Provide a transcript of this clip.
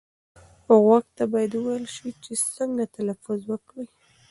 غوږ ته باید وویل شي چې څنګه تلفظ وکړي.